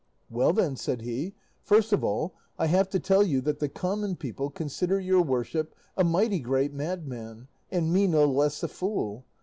"Well then," said he, "first of all, I have to tell you that the common people consider your worship a mighty great madman, and me no less a fool.